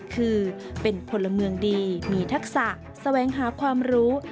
คือเป็นพลเมืองดีมีทักษะแสวงหาความรู้